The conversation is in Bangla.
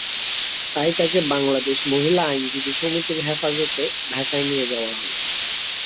তাই তাকে বাংলাদেশ মহিলা আইনজীবী সমিতির হেফাজতে ঢাকায় নিয়ে যাওয়া হয়।